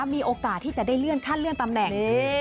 มีโอกาสที่จะได้เลื่อนขั้นเลื่อนตำแหน่ง